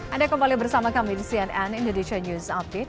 anda kembali bersama kami di cnn indonesia news update